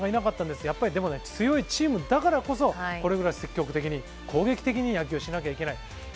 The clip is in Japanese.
でもやっぱり強いチームだからこそこれぐらい積極的に攻撃的に野球をしなきゃいけない。